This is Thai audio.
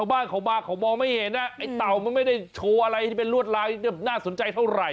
ถ้าบ้านเค้ามาเค้ามองไม้เห็นไอ้เต่ามันไม่ได้โชว์อะไรเลือดร้ายนี่น่าสนใจเท่าไหร่